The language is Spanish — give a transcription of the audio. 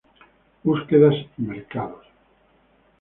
Búsquedas y Mercados.